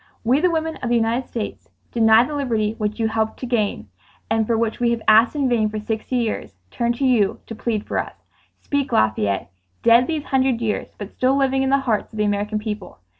"We, the women of the United States, denied the liberty which you helped to gain, and for which we have asked in vain for sixty years, turn to you to plead for us. "Speak, Lafayette, dead these hundred years but still living in the hearts of the American people.